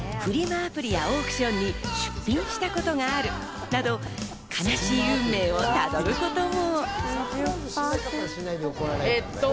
アプリやオークションに出品したことがあるなど、悲しい運命をたどることも。